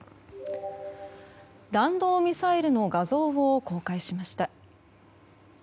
弾道ミサイルの画像を公開しました。